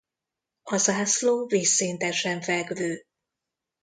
A zászló vízszintesen fekvő.